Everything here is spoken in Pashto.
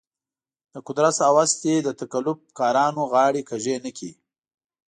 د قدرت هوس دې د تقلب کارانو غاړې کږې نه کړي.